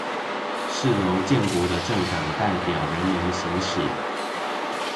是由建國的政黨代表人民行使